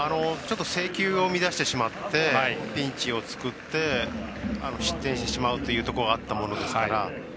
制球を乱してしまってピンチを作って失点してしまうということがあったものですから。